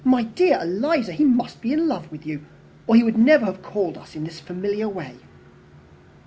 "My dear Eliza, he must be in love with you, or he would never have called on us in this familiar way."